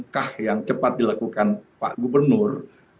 langkah yang cepat dilakukan pak gubernur